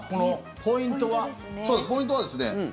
ポイントはですね